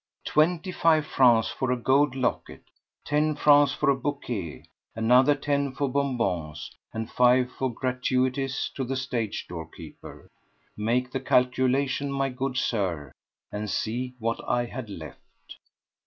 Twenty five francs for a gold locket, ten francs for a bouquet, another ten for bonbons, and five for gratuities to the stage doorkeeper! Make the calculation, my good Sir, and see what I had left.